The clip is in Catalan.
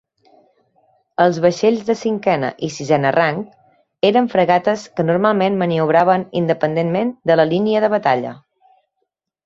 Els vaixells de cinquena i sisena rang eren fragates que normalment maniobraven independentment de la línia de batalla.